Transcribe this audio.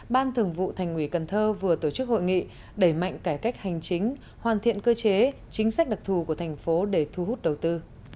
ban thường vụ thành ủy cần thơ vừa tổ chức hội nghị đẩy mạnh cải cách hành chính hoàn thiện cơ chế chính sách đặc thù của thành phố để thu hút đầu tư